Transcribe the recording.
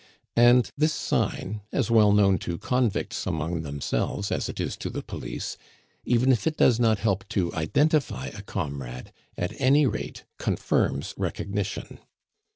And this sign, as well known to convicts among themselves as it is to the police, even if it does not help to identify a comrade, at any rate confirms recognition.